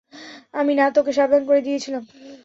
আমি না তোকে সাবধান করে দিয়েছিলাম?